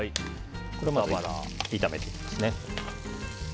これを炒めていきます。